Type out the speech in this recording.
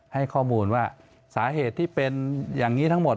ให้ข้อมูลว่าสาเหตุที่เป็นอย่างนี้ทั้งหมด